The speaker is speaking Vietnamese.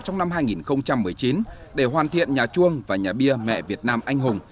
trong năm hai nghìn một mươi chín để hoàn thiện nhà chuông và nhà bia mẹ việt nam anh hùng